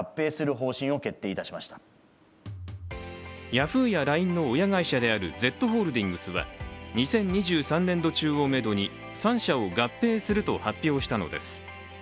ヤフーやＬＩＮＥの親会社であるＺホールディングスは、２０２３年度中をめどに３社を合併すると発表したのです。